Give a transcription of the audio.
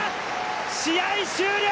試合終了！